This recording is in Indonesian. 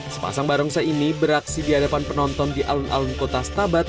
sepasang barongsai ini beraksi di hadapan penonton di alun alun kota stabat